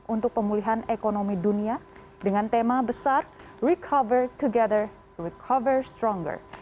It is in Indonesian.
untuk pemulihan ekonomi dunia dengan tema besar recover together recover stronger